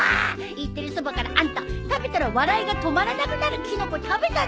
言ってるそばからあんた食べたら笑いが止まらなくなるキノコ食べたね！